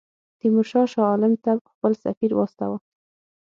تیمورشاه شاه عالم ته خپل سفیر واستاوه.